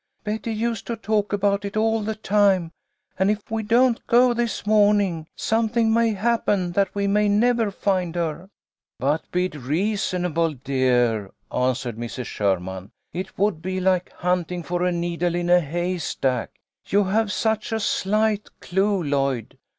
Betty used to talk about it all the time, and if we don't go this morning, something may happen that we may never find her." " But be reasonable, dear," answered Mrs. Sherman. "It would be like hunting for a needle in a hay stack. You have such a slight clue, Lloyd.